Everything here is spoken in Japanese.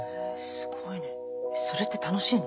すごいねそれって楽しいの？